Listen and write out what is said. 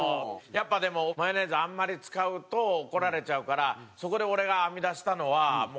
やっぱでもマヨネーズあんまり使うと怒られちゃうからそこで俺が編み出したのはこういう。